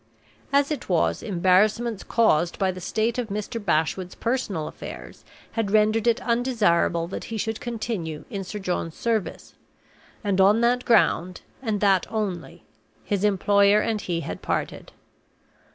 As it was, embarrassments caused by the state of Mr. Bashwood's personal affairs had rendered it undesirable that he should continue in Sir John's service; and on that ground, and that only, his employer and he had parted.